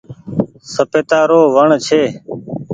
سپيتا رو وڻ ڇي۔